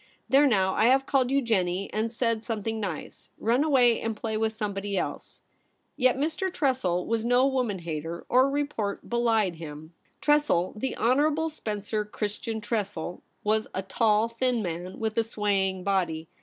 There now, I have called you ''Jennie," and said something nice ; run away and play with somebody else.' Yet Mr. Tressel was no woman hater, or report belied him. Tressel — the Honourable Spencer Chris tian Tressel — was a tall, thin man, with a swaying body.